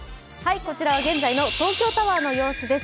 こちらは現在の東京タワーの様子です。